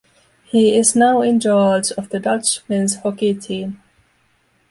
He is now in charge of the Dutch men's hockey team.